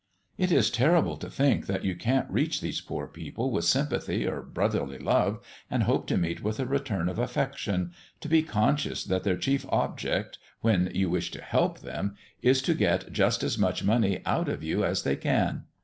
It is terrible to think that you can't reach these poor people with sympathy or brotherly love and hope to meet with a return of affection to be conscious that their chief object, when you wish to help them, is to get just as much money out of you as they can.